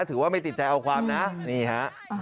ถือว่าไม่ติดใจเอาความนะนี่ฮะ